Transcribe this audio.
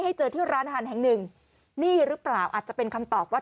เจอที่ร้านอาหารแห่งหนึ่งนี่หรือเปล่าอาจจะเป็นคำตอบว่า